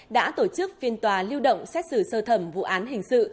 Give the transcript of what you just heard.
đã tổ chức phiên tòa lưu động xét xử sơ thẩm vụ án hình sự